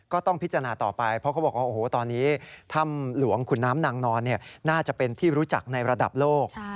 ก็ต้องพิจารณาต่อไปเพราะเขาบอกว่าโอ้โหตอนนี้ถ้ำหลวงขุนน้ำนางนอนน่าจะเป็นที่รู้จักในระดับโลก